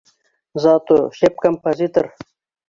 Зато -шәп композитор!